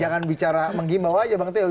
jangan bicara menghimbau aja bang teo